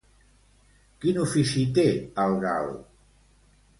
Quin ofici té el gal?